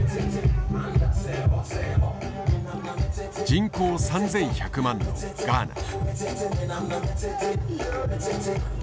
人口３，１００万のガーナ。